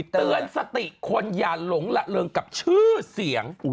เตือนสติคนอย่าหลงละเริงกับชื่อเสียง